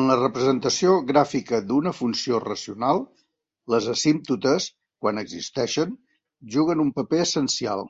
En la representació gràfica d'una funció racional, les asímptotes, quan existeixen, juguen un paper essencial.